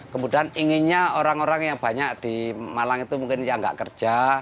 kemudian inginnya orang orang yang banyak di malang itu mungkin yang nggak kerja